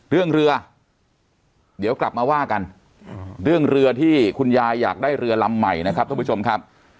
เรื่องเรือเดี๋ยวกลับมาว่ากันเรื่องเรือที่คุณยายอยากได้เรือลำใหม่นะครับท่านผู้ชมครับ